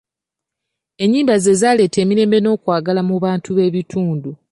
Ennyimba ze zaaleeta emirembe n'okwagala mu bantu b'ekitundu.